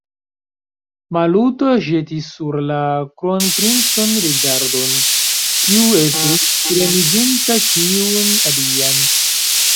Maluto ĵetis sur la kronprincon rigardon, kiu estus tremiginta ĉiun alian.